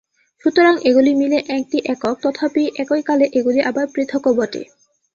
সুতরাং এগুলি মিলে একটি একক, তথাপি একইকালে এগুলি আবার পৃথকও বটে।